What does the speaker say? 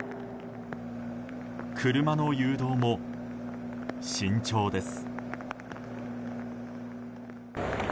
車の誘導も慎重です。